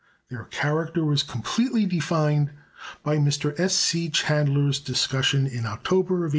Their character was completely defined by Mr. S. C. Chandler's discussion in October, 1891.